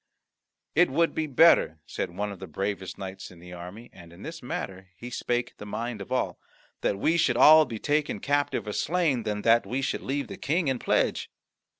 "It would be better," said one of the bravest knights in the army, and in this matter he spake the mind of all, "that we should all be taken captive or slain, than that we should leave the King in pledge."